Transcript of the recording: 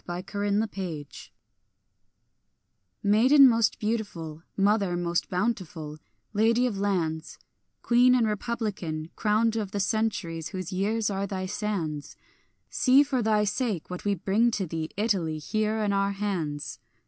THE SONG OF THE STANDARD MAIDEN most beautiful, mother most bountiful, lady of lands, Queen and republican, crowned of the centuries whose years are thy sands, See for thy sake what we bring to thee, Italy, here in our hands.